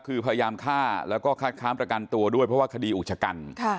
คือพยายามฆ่าแล้วก็คัดค้างประกันตัวด้วยเพราะว่าคดีอุกชกัน